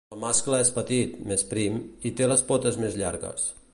El mascle és petit, més prim, i té les potes més llargues.